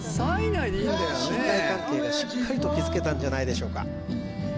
信頼関係がしっかりと築けたんじゃないでしょうか